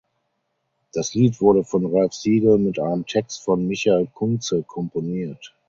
Das Lied wurde von Ralph Siegel mit einem Text von Michael Kunze komponiert.